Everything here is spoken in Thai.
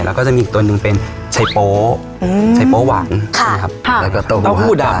แล้วก็จะมีอีกตัวหนึ่งเป็นชัยโปอืมชัยโปหวังค่ะแล้วก็เต้าหู้ดำ